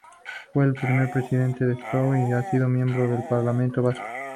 Fue el primer presidente de Sortu y ha sido miembro del Parlamento Vasco.